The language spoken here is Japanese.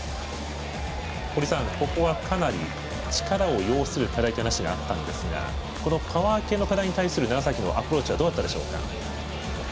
堀さん、ここは、かなり力を要する課題というお話があったんですがこのパワー系の課題に対する楢崎のアプローチいかがでしょう。